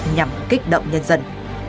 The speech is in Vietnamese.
nhằm kích động nhân dân